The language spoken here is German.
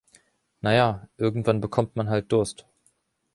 Na ja, irgendwann bekommt man halt Durst.